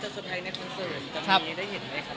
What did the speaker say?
แต่สมัยนี้ไม่ใช่อย่างนั้น